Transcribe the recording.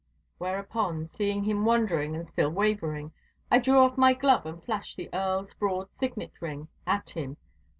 Whereupon, seeing him wondering and still wavering, I drew off my glove and flashed the Earl's broad signet ring at him.